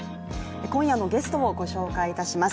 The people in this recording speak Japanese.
今夜のゲストをご紹介いたします。